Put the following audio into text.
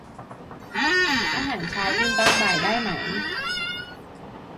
อาหารเช้ากินตอนบ่ายได้ไหม